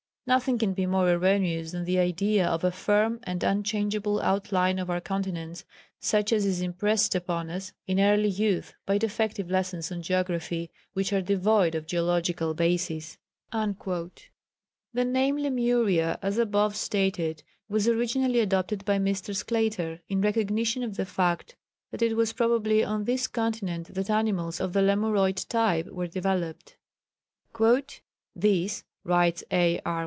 Nothing can be more erroneous than the idea of a firm and unchangeable outline of our continents, such as is impressed upon us in early youth by defective lessons on geography, which are devoid of a geological basis." The name Lemuria, as above stated, was originally adopted by Mr. Sclater in recognition of the fact that it was probably on this continent that animals of the Lemuroid type were developed. "This," writes A. R.